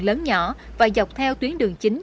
lớn nhỏ và dọc theo tuyến đường chính